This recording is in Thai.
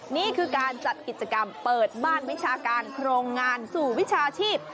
นี่คือการจัดกิจกรรมเปิดบ้านวิชาการโครงงานสู่วิชาชีพ